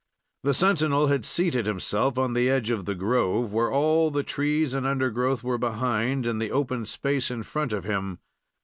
The sentinel had seated himself on the edge of the grove, where all the trees and undergrowth were behind, and the open space in front of him.